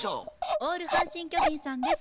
オール阪神・巨人さんです。